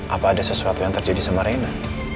apa ada sesuatu yang terjadi sama reina